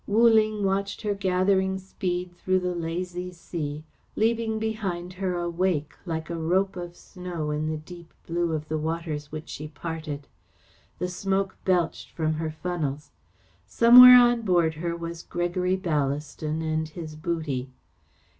Wu Ling watched her gathering speed through the lazy sea, leaving behind her a wake like a rope of snow in the deep blue of the waters which she parted. The smoke belched from her funnels. Somewhere on board her was Gregory Ballaston and his booty.